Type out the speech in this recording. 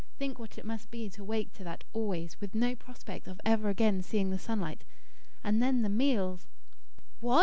Think what it must be to wake to that always, with no prospect of ever again seeing the sunlight! And then the meals " "What!